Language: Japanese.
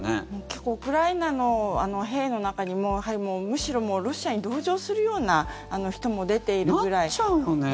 結構ウクライナの兵の中にもむしろロシアに同情するような人もなっちゃうよね。